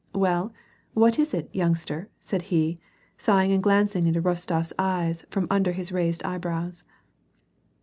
" Well, what is it, youngster," said he, sighing and glancing into RostoFs eyes from under his raised brows.